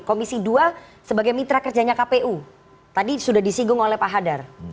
komisi dua sebagai mitra kerjanya kpu tadi sudah disinggung oleh pak hadar